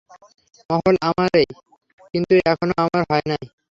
মহল আমারেই, কিন্তু এখনও আমার হয়নাই।